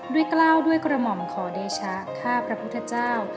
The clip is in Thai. กล้าวด้วยกระหม่อมขอเดชะข้าพระพุทธเจ้า